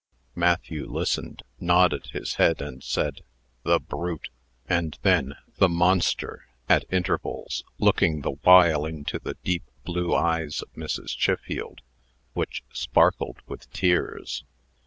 Matthew listened, nodded his head, and said, "The brute!" and the "The monster!" at intervals, looking the while into the deep blue eyes of Mrs. Chiffield, which sparkled with tears.